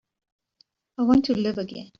I want to live again.